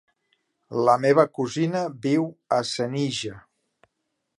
La meva cosina viu a Senija.